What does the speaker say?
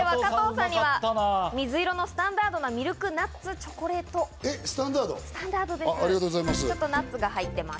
では、加藤さんには水色のスタンダードなミルクナッツチョコレート、スタンダードです。